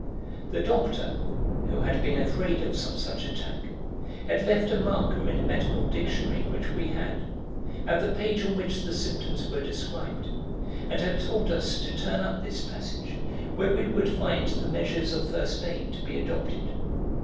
The doctor, who had been afraid of some such attack, had left a marker in a medical dictionary which we had, at the page on which the symptoms were described, and had told us to turn up this passage, where we would find the measures of 'first aid' to be adopted.